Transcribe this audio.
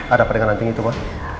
ada apa dengan anting itu ma